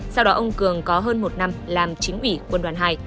sau đó ông cường có hơn một năm làm chính ủy quân đoàn hai